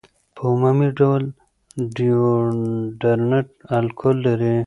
په عمومي ډول ډیوډرنټ الکول لري.